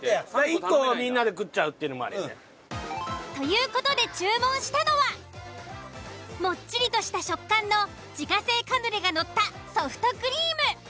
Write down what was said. １個をみんなで食っちゃうっていうのもありやで。という事で注文したのはもっちりとした食感の自家製カヌレがのったソフトクリーム。